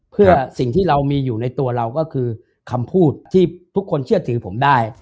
เพื่อสิ่งที่เรามีอยู่ในตัวเราก็คือคำพูดที่ทุกคนเชื่อถือผมได้